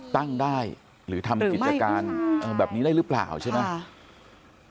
ตั้งได้หรือทำกิจการแบบนี้ได้หรือเปล่าใช่ไหม